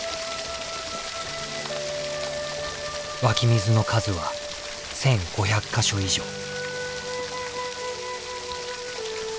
湧き水の数は１，５００か所以上。